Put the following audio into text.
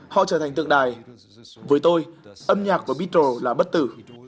họ trở thành tượng đài với tôi âm nhạc của bitro là bất tử